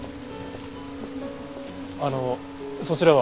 あのそちらは？